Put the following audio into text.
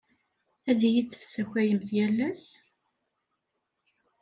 Ad iyi-d-tessakayemt yal ass?